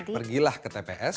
pergilah ke tps